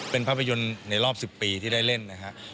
เป็นภาพยนตร์ในรอบ๑๐ปีที่ได้เล่นนะครับ